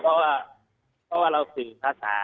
เพราะว่าเราสื่อภาษา